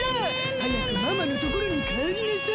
はやくママのところにかえりなさい。